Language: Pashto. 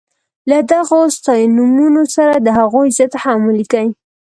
له دغو ستاینومونو سره د هغوی ضد هم ولیکئ.